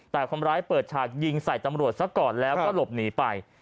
แต่คนร้ายเปิดฉากยิงใส่ตำรวจซะก่อนแล้วก็หลบหนีไป